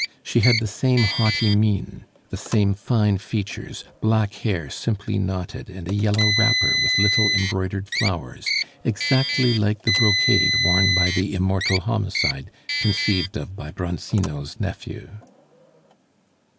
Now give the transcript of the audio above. She had the same haughty mien, the same fine features, black hair simply knotted, and a yellow wrapper with little embroidered flowers, exactly like the brocade worn by the immortal homicide conceived of by Bronzino's nephew.